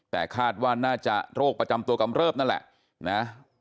แต่คาดว่าน่าจะโรคประจำตัวกำเริบนั่นแหละนะ